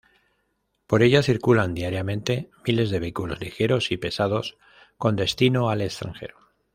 Por ella circulan diariamente miles de vehículos ligeros y pesados con destino al extranjero.